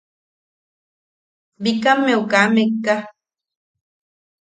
Bikammeu kaa mekka.